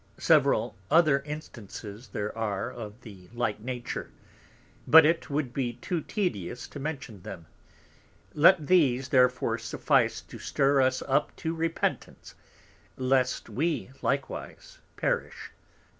Several other Instances there are of the like Nature; but it would be too tedious to mention them: Let these therefore suffice to stir us up to Repentance, lest we likewise perish.